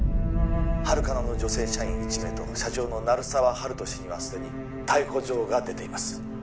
ハルカナの女性社員１名と社長の鳴沢温人氏にはすでに逮捕状が出ています